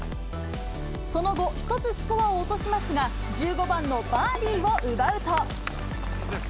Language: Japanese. その後、１つスコアを落としますが、１５番のバーディーを奪うと。